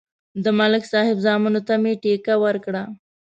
د ملک صاحب زامنو ته مې ټېکه ورکړه